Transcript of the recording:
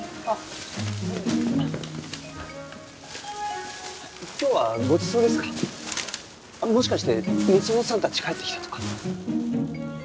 あっもしかして美園さんたち帰ってきたとか？